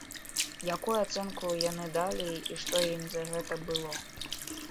Якую ацэнку яны далі і што ім за гэта было?